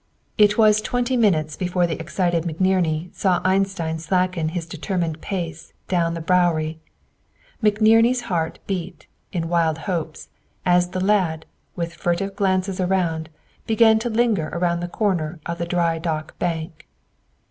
It was twenty minutes before the excited McNerney saw Einstein slacken his determined pace down the Bowery. McNerney's heart beat, in wild hopes, as the lad, with furtive glances around, began to linger around the corner of the Dry Dock Bank.